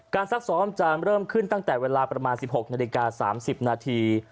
ซักซ้อมจะเริ่มขึ้นตั้งแต่เวลาประมาณ๑๖นาฬิกา๓๐นาที